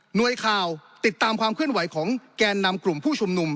หน่วยข่าวติดตามความเคลื่อนไหวของแกนนำกลุ่มผู้ชุมนุม